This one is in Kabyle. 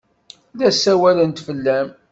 La ssawalent fell-am.